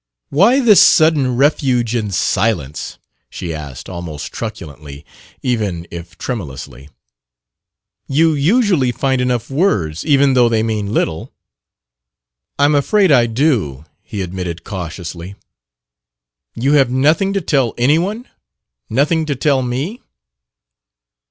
Why this sudden refuge in silence?" she asked, almost truculently, even if tremulously. "You usually find enough words even though they mean little." "I'm afraid I do," he admitted cautiously. "You have nothing to tell anyone? Nothing to tell me?"